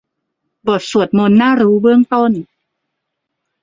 บทสวดมนต์น่ารู้เบื้องต้น